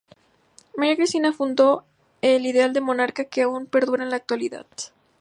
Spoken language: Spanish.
María Cristina fundó el ideal de monarca que aún perdura en la actualidad.